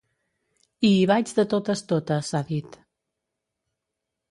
I hi vaig de totes totes, ha dit.